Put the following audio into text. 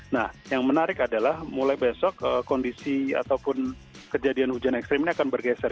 nah yang menarik adalah mulai besok kondisi ataupun kejadian hujan ekstrim ini akan bergeser